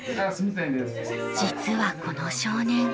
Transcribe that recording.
実はこの少年